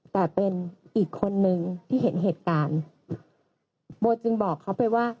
แต่เป็นอีกคนนึงที่เห็นเหตุการณ์โบจึงบอกเขาไปว่า